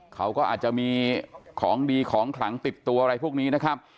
เขาก็อาจจะมีของดีของขลังติดตัวอะไรพวกนี้นะครับ